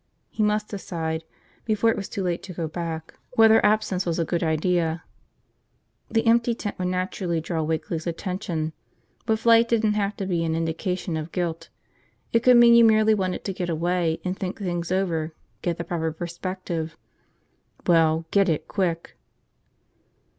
He must decide, before it was too late to go back, whether absence was a good idea. The empty tent would naturally draw Wakeley's attention. But flight didn't have to be an indication of guilt. It could mean you merely wanted to get away and think things over, get the proper perspective. Well, get it quick.